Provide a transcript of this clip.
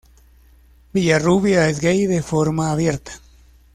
Villarrubia es gay de forma abierta.